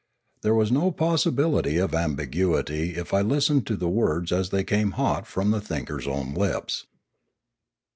There was no possibility of ambiguity if I lis tened to the words as they came hot from the thinker's own lips.